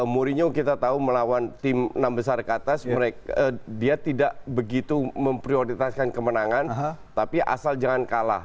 mourinho kita tahu melawan tim enam besar ke atas dia tidak begitu memprioritaskan kemenangan tapi asal jangan kalah